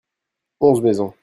onze maisons.